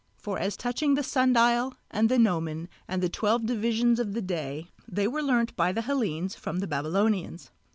For as touching the sun dial and the gnomon and the twelve divisions of the day, they were learnt by the Hellenes from the Babylonians.